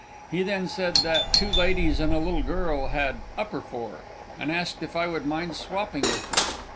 He then said that two ladies and a little girl had "upper four," and asked if I would mind swapping with them.